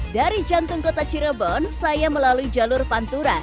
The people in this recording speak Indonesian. dari jantung kota cirebon saya melalui jalur pantura